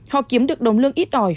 họ kiếm được đồng lương ít ỏi